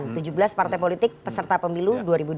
tujuh belas partai politik peserta pemilu dua ribu dua puluh